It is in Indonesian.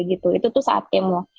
itu tuh saat kemo